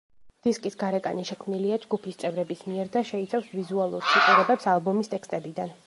დისკის გარეკანი შექმნილია ჯგუფის წევრების მიერ და შეიცავს ვიზუალურ ციტირებებს ალბომის ტექსტებიდან.